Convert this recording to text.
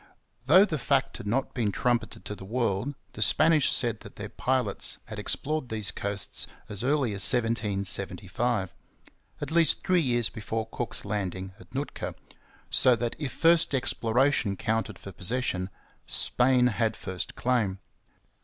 Though the fact had not been trumpeted to the world, the Spanish said that their pilots had explored these coasts as early as 1775 at least three years before Cook's landing at Nootka; so that if first exploration counted for possession, Spain had first claim.